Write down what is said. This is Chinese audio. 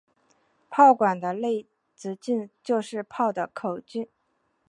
炮管的内直径就是炮的口径。